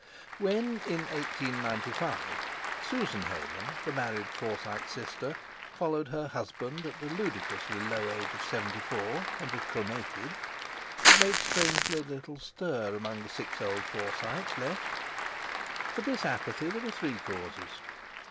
When, in 1895, Susan Hayman, the married Forsyte sister, followed her husband at the ludicrously low age of seventy four, and was cremated, it made strangely little stir among the six old Forsytes left. For this apathy there were three causes.